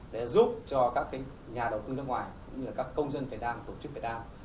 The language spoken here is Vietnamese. để giúp cho các nhà đầu tư nước ngoài các công dân việt nam tổ chức việt nam